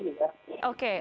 itu kan mereka